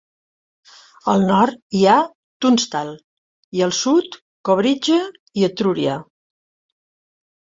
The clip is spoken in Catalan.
Al nord hi ha Tunstall i al sud, Cobridge i Etruria.